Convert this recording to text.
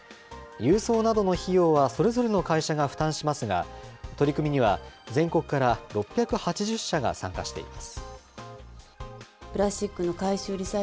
郵送などの費用はそれぞれの会社が負担しますが、取り組みには全国から６８０社が参加しています。